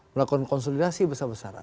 melakukan konsolidasi besar besaran